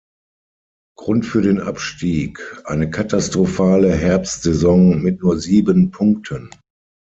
Grund für den Abstieg: eine katastrophale Herbstsaison mit nur sieben Punkten.